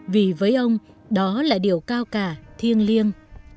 vì với ông đó là điều cao cả thiêng liêng